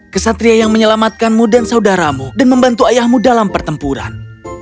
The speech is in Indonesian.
kesatria yang menyelamatkanmu dan saudaramu dan membantu ayahmu dalam pertempuran